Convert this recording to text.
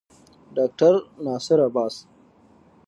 ډاکټر ناصر عباس